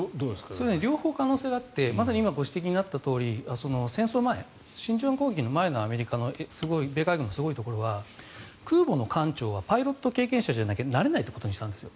両方可能性があってまさに今ご指摘にあったように戦争前、真珠湾攻撃の前の米海軍のすごいところは空母の艦長はパイロット経験者なじゃないとなれないことにしたんですよ。